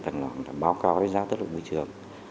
báo cáo đánh giá táo động môi trường